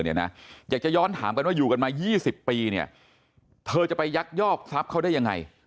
อยากจะย้อนถามกันว่าอยู่กันมา๒๐ปีเนี่ยเธอจะไปยักยอกทรัพย์เขาได้ยังไง